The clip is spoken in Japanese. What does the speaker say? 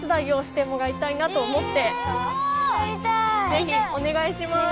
ぜひお願いします！